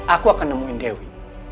aku akan nemuin dewi